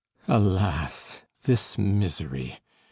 Alas! this misery!